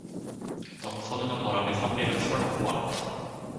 너무 서두는 바람에 선비는 술을 놓고 말았다.